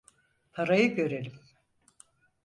Parayı görelim.